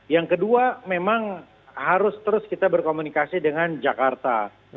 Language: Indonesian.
yang kedua memang harus terus kita berkomunikasi dengan jakarta